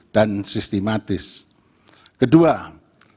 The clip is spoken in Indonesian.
dan memiliki kekuasaan untuk memiliki kekuasaan yang berbeda dan berbeda